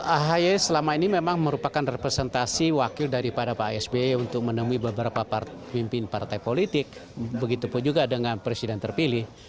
ahi selama ini memang merupakan representasi wakil daripada pak asb untuk menemui beberapa pimpin partai politik begitu pun juga dengan presiden terpilih